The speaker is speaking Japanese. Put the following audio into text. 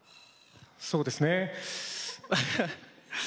そうですね。